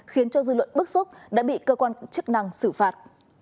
khiến cho dư luận bức xúc đã bị cơ quan chức năng xử phạt